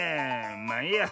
まあいいや。